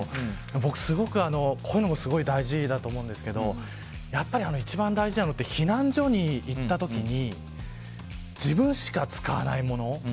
僕、こういうのもすごく大事だと思うんですがやっぱり、一番大事なのって避難所に行った時に自分しか使わないもの。